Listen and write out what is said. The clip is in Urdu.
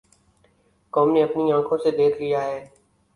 قوم نے اپنی آنکھوں سے دیکھ لیا ہے۔